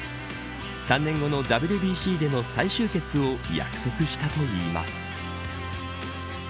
３年後のＷＢＣでの再集結を約束したといいます。